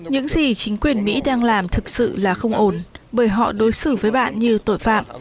những gì chính quyền mỹ đang làm thực sự là không ổn bởi họ đối xử với bạn như tội phạm